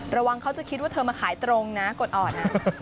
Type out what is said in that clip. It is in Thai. เขาจะคิดว่าเธอมาขายตรงนะกดอ่อน